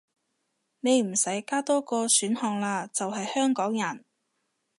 你唔使加多個選項喇，就係香港人